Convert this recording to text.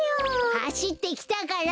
はしってきたから！